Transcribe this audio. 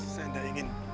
saya tidak ingin